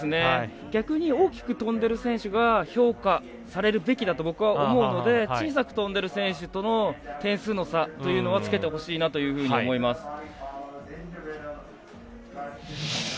逆に大きく飛んでる選手が評価されるべきだと僕は思うので小さく飛んでいる選手との点数の差というのはつけてほしいなというふうに思います。